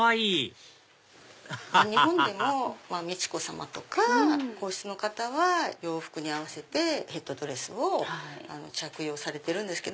アハハ日本でも美智子さまとか皇室の方は洋服に合わせてヘッドドレスを着用されてるんですけど。